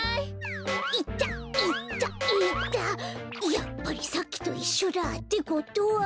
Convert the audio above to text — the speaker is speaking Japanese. やっぱりさっきといっしょだ。ってことは。